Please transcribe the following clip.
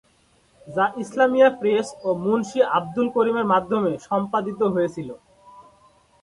যা ইসলামিয়া প্রেস ও মুন্সী আবদুল করিমের মাধ্যমে সম্পাদিত হয়েছিল।